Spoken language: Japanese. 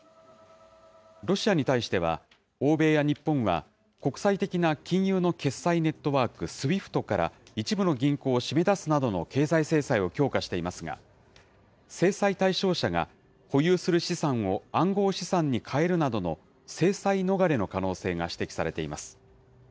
ロシアに対しては欧米や日本は、国際的な金融の決済ネットワーク、ＳＷＩＦＴから一部の銀行を締め出すなどの経済制裁を強化していますが、制裁対象者が保有する資産を暗号資産に換えるなどの制裁逃れの可能性が指摘されています。